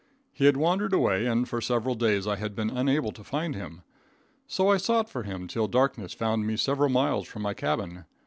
He had wandered away, and for several days I had been unable to find him. So I sought for him till darkness found me several miles from my cabin.